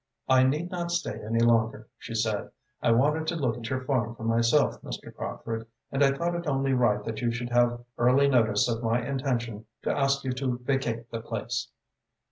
"I need not stay any longer," she said. "I wanted to look at your farm for myself, Mr. Crockford, and I thought it only right that you should have early notice of my intention to ask you to vacate the place."